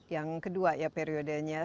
yang kedua ya periodenya